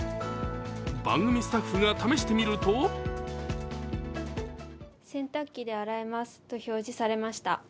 番組スタッフが試してみると「洗濯機で洗えます」と表示されました。